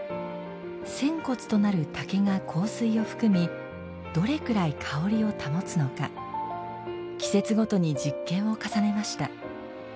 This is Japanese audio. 扇骨となる竹が香水を含みどれくらい香りを保つのか季節ごとに実験を重ねました。